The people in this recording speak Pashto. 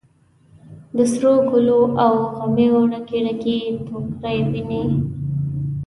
د سروګلو او غمیو ډکې، ډکې ټوکرۍ ویني